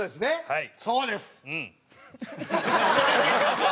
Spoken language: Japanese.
はい。